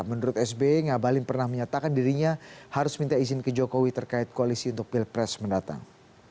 menurut sb ngabalin pernah menyatakan dirinya harus minta izin ke jokowi terkait koalisi untuk pilpres mendatang